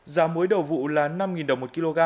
giá muối đầu vụ là năm đồng một kg